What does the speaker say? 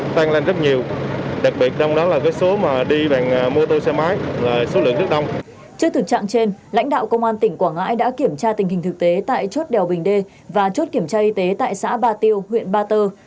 trước thực trạng trên lãnh đạo công an tỉnh quảng ngãi đã kiểm tra tình hình thực tế tại chốt đèo bình đê và chốt kiểm tra y tế tại xã ba tiêu huyện ba tơ